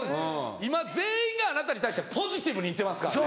今全員があなたに対してポジティブに行ってますからね。